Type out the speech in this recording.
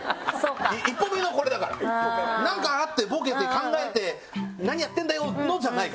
１歩目のこれだから何かあってボケて考えて「何やってんだよ！」のじゃないからね。